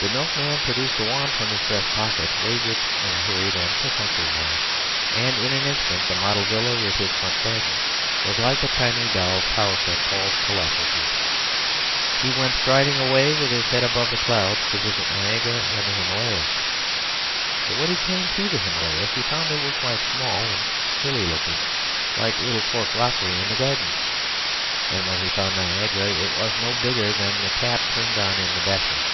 The milkman producing a wand from his breast pocket, waved it in a hurried and perfunctory manner; and in an instant the model villa with its front garden was like a tiny doll's house at Paul's colossal feet. He went striding away with his head above the clouds to visit Niagara and the Himalayas. But when he came to the Himalayas, he found they were quite small and silly looking, like the little cork rockery in the garden; and when he found Niagara it was no bigger than the tap turned on in the bathroom.